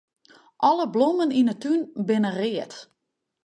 Alle blommen yn 'e tún binne read.